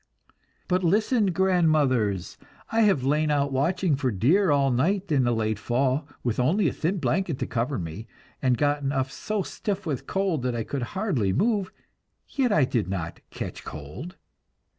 But listen, grandmothers! I have lain out watching for deer all night in the late fall, with only a thin blanket to cover me, and gotten up so stiff with cold that I could hardly move; yet I did not "catch cold."